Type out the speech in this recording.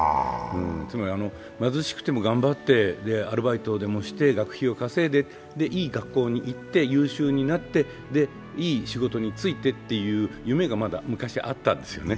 つまり貧しくても頑張ってアルバイトでもして学費を稼いでいい学校に行って優秀になって、いい仕事に就いてっていう夢が昔はあったんですよね。